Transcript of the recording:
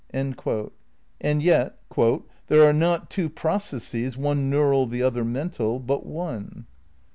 ' And yet ... "there are not two processes, one neural, the other mental, but one."